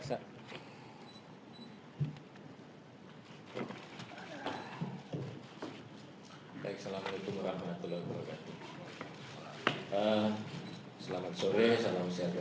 saya kira langsung saja kita beri kesempatan kepada pak menteri